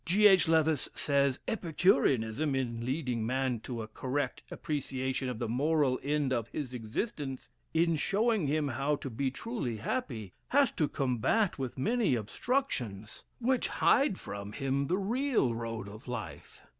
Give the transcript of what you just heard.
G. H. Lewes says: "Epicureanism, in leading man to a correct appreciation of the moral end of his existence, in showing him how to be truly happy, has to combat with many obstructions which hide from him the real road of life.